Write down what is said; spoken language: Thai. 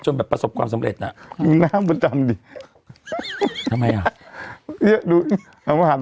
จนแบบประสบความสำเร็จน่ะมีหน้าบนจำดิทำไมอ่ะเนี้ยดูเอามาหาด